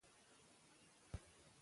هوا ویلي وو چې احساسات لیکي.